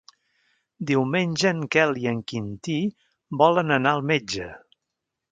Diumenge en Quel i en Quintí volen anar al metge.